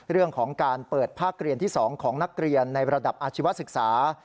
เรื่องของการเปิดภาคเรียนที่๒ของนักเรียนในระดับอาชีวศึกษา